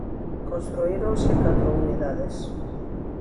Construíronse catro unidades.